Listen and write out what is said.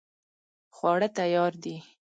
خواړه تیار دي